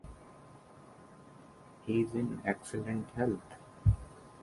He is in excellent health.